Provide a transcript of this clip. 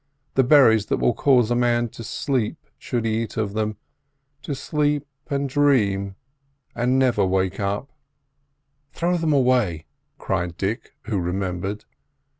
The berries that will cause a man to sleep, should he eat of them—to sleep and dream, and never wake up again. "Throw them away!" cried Dick, who remembered.